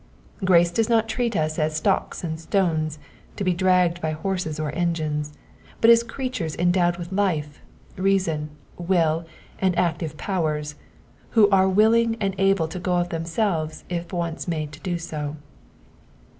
'' Grace does not treat us as stocks and stones, to be dragged by horses or engines, but as creatures endowed with life, reason, will, and active powers, who are willing and able to go of themselves if once made to do so.